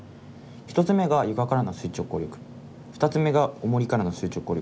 １つ目が床からの垂直抗力２つ目がおもりからの垂直抗力。